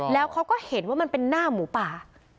แล้วเขาก็เห็นว่ามันเป็นหน้าหมูป่า